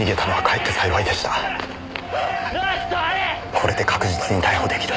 これで確実に逮捕出来る。